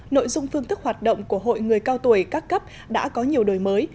nội dung phương thức hoạt động của hội người cao tuổi các cấp đã có nhiều đổi mới